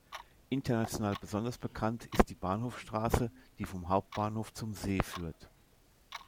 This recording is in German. International besonders bekannt ist die Bahnhofstrasse, die vom Hauptbahnhof zum See führt.